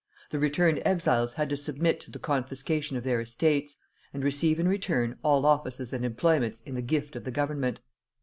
The returned exiles had to submit to the confiscation of their estates, and receive in return all offices and employments in the gift of the Government.